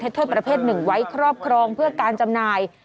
โทษประเภทหนึ่งไว้ครอบครองเพื่อการจำหน่าย